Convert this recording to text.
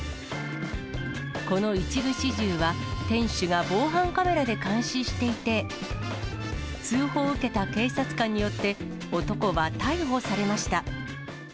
この一部始終は、店主が防犯カメラで監視していて、通報を受けた警察官によって、男は逮捕されました。